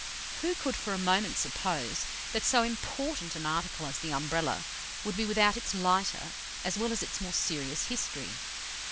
Who could for a moment suppose that so important an article as the Umbrella would be without its lighter as well as its more serious history?